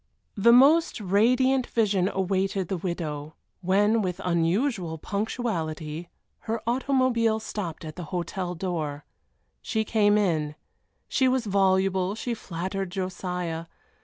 The most radiant vision awaited the widow, when, with unusual punctuality, her automobile stopped at the hotel door. She came in. She was voluble, she flattered Josiah.